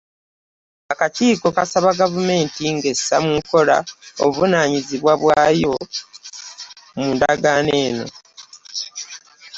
Akakiiko kasaba Gavumenti, ng’essa mu nkola obuvunaanyizibwa bwayo mu Ndagaano eno.